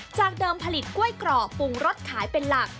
จากเดิมผลิตกล้วยกรอบปรุงรสขายเป็นหลัก